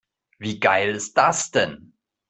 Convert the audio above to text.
Wie geil ist das denn?